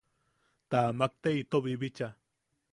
Ta amak te ito bibicha.